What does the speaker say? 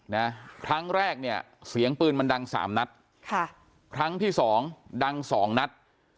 นะครั้งแรกเนี่ยเสียงปืนมันดังสามนัดค่ะครั้งที่สองดังสองนัด